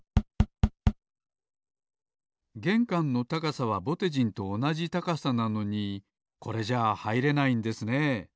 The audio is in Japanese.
げんかんの高さはぼてじんとおなじ高さなのにこれじゃあはいれないんですね。